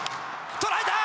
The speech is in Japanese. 捉えたー！